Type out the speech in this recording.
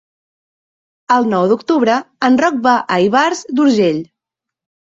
El nou d'octubre en Roc va a Ivars d'Urgell.